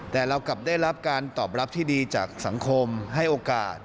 แต่เรากลับได้รับการตอบรับที่ดีจากสังคมให้โอกาส